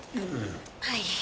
はい。